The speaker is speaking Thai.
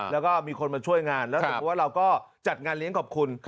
แล้วก็มีคนมาช่วยงานแล้วสมมุติว่าเราก็จัดงานเลี้ยงขอบคุณ